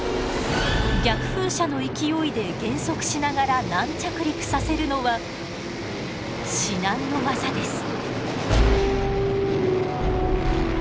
逆噴射の勢いで減速しながら軟着陸させるのは至難の業です。